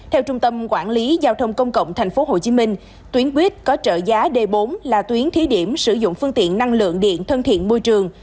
theo trung tâm quản lý giao thông công cộng tp hcm tuyến buýt có trợ giá d bốn là tuyến thí điểm sử dụng phương tiện năng lượng điện thân thiện môi trường